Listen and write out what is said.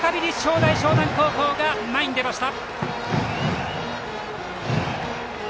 再び立正大淞南高校が前に出ました。